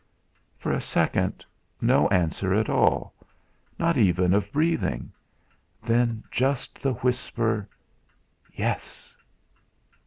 For a second no answer at all, not even of breathing; then, just the whisper: "Yes."